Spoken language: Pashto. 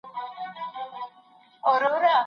لکه باران را اورېدلې پاتېدلې به نه